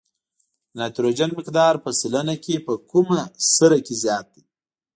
د نایتروجن مقدار په سلنه کې په کومه سره کې زیات دی؟